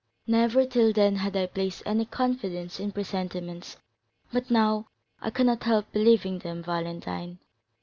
Never, till then, had I placed any confidence in presentiments, but now I cannot help believing them, Valentine.